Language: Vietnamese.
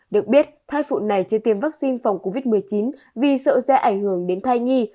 được biết thay phụ này chưa tiêm vaccine phòng covid một mươi chín vì sợ sẽ ảnh hưởng đến thay nghi